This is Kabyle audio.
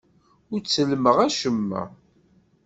Ur ttellmeɣ acemma.